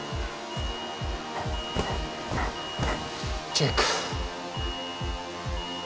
チェック